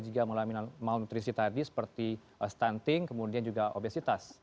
jika mengalami malnutrisi tadi seperti stunting kemudian juga obesitas